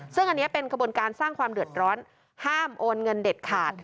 ซึ่งอันนี้เป็นกระบวนการสร้างความเดือดร้อนห้ามโอนเงินเด็ดขาด